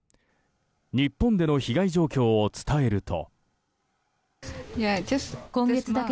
日本での被害状況を伝えると。